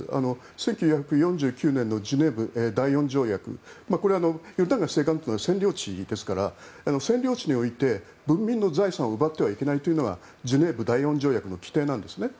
１９４９年のジュネーブ第４条約これはヨルダン川西岸というのは占領地ですから占領地において文民の財産を奪ってはいけないというのがジュネーブ第４条約の規定なんです。